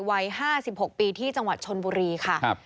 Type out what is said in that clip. วัย๕๖ปีที่จังหวัดชนบุรีค่ะ